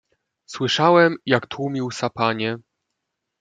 "Słyszałem, jak tłumił sapanie."